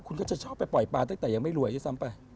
คุณก็จะชอบไปปล่อยปลาตั้งแต่ยังไม่รวยด้วยซ้ำไป